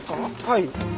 はい。